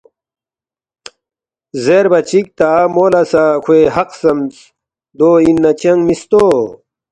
زیربا چِک تا مو لہ سہ کھوے حق خسمس، ”دو اِن نہ چنگ مِستو